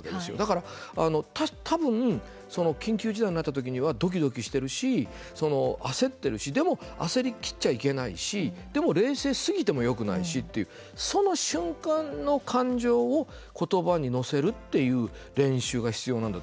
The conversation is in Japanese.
だからたぶん緊急事態になったときにはドキドキしてるし、焦ってるしでも焦りきっちゃいけないしでも冷静すぎてもよくないしっていうその瞬間の感情をことばに乗せるっていう練習が必要なんだと思いますね。